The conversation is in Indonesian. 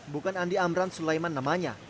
bukan andi amran sulaiman namanya